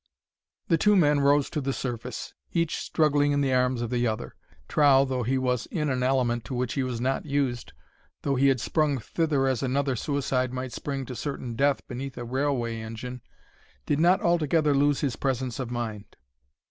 The two men rose to the surface, each struggling in the arms of the other. Trow, though he was in an element to which he was not used, though he had sprung thither as another suicide might spring to certain death beneath a railway engine, did not altogether lose his presence of mind.